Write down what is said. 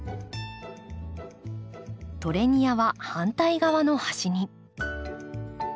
トレニアは反対側の端に。